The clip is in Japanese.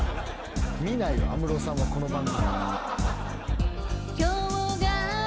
見ないよ安室さんはこの番組。